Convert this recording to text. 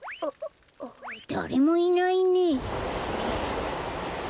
だれもいないね。